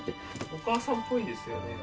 お母さんっぽいですよねこれ。